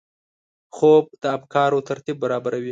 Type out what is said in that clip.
خوب د افکارو ترتیب برابروي